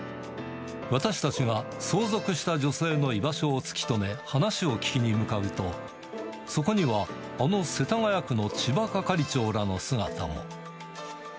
私たちが、相続した女性の居場所を突き止め、話を聞きに向かうと、そこにはあの世田谷区のちば係長らの姿も。